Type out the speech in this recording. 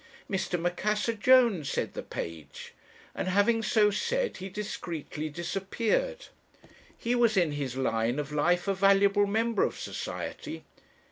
"'Mr. Macassar Jones,' said the page; and having so said, he discreetly disappeared. He was in his line of life a valuable member of society.